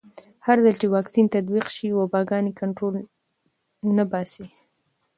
هرځل چې واکسین تطبیق شي، وباګانې کنټرول نه باسي.